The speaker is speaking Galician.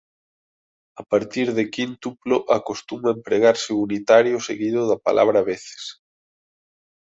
A partir de quíntuplo acostuma empregarse o unitario seguido da palabra veces.